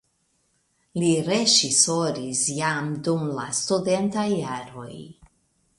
Li reĝisoris jam dum la studentaj jaroj.